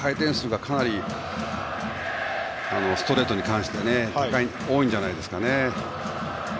回転数がかなりストレートに関しては多いんじゃないですかね。